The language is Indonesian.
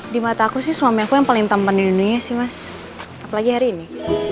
di mata aku sih suami aku yang paling tampan di dunia sih mas apalagi hari ini